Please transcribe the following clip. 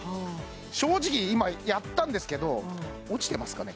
正直今やったんですけど落ちてますかね？